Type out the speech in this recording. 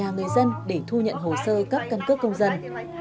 các nhà người dân để thu nhận hồ sơ cấp căn cức công dân